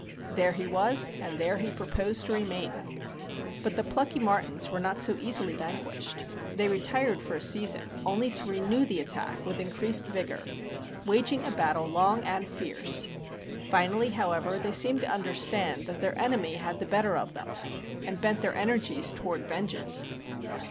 There he was and there he proposed to remain. But the plucky martins were not so easily vanquished. They retired for a season, only to renew the attack with increased vigor, waging a battle long and fierce. Finally, however, they seemed to understand that their enemy had the better of them, and bent their energies toward vengeance.